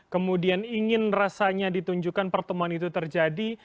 kemudian ingin rasanya ditunjukkan pertemuan itu terjadi